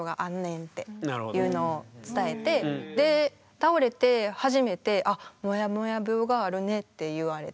倒れて初めて「あっもやもや病があるね」って言われて。